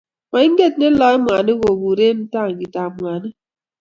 moinget ne lae mwanik kekure tankit ab mwanik